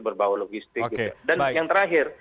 berbau logistik gitu dan yang terakhir